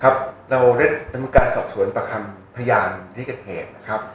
ครับเราร่วมการสอบสวนประคำพญาณในเกิดเหตุนะครับ